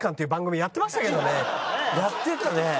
やってたね。